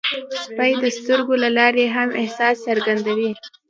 سپي د سترګو له لارې هم احساس څرګندوي.